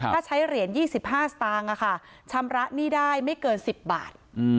ถ้าใช้เหรียญยี่สิบห้าสตางค์นะคะชำระหนี้ได้ไม่เกินสิบบาท